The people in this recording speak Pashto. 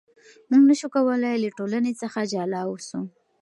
موږ نشو کولای له ټولنې څخه جلا اوسو.